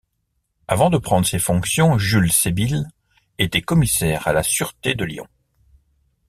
Avant de prendre ses fonctions, Jules Sébille était commissaire à la sûreté de Lyon.